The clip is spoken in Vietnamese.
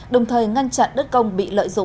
đồng thời ngăn chặn đất công bị lợi dụng